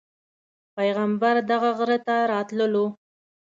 پیغمبر دغه غره ته راتللو.